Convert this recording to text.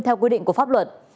theo quy định của pháp luật